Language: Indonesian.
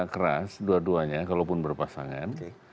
keras dua duanya kalaupun berpasangan